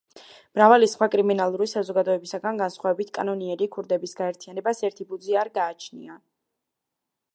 მრავალი სხვა კრიმინალური საზოგადოებისგან განსხვავებით, კანონიერი ქურდების გაერთიანებას ერთი ფუძე არ გააჩნია.